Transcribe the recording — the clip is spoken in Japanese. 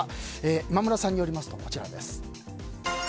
今村さんによりますとこちらです。